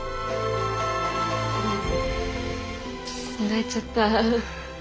泣いちゃった。